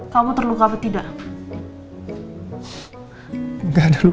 kalian harus dicek dulu